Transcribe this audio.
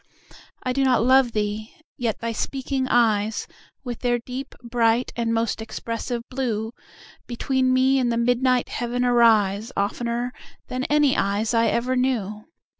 I do not love thee! yet thy speaking eyes, With their deep, bright and most expressive blue Between me and the midnight heaven arise, Oftener than any eyes I ever knew.